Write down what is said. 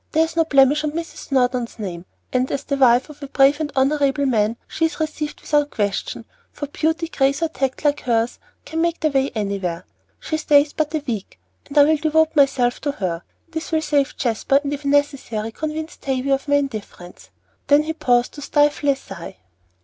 There is no blemish on Mrs. Snowdon's name, and, as the wife of a brave and honorable man, she is received without question; for beauty, grace, or tact like hers can make their way anywhere. She stays but a week, and I will devote myself to her; this will save Jasper, and, if necessary, convince Tavie of my indifference " Then he paused to stifle a sigh.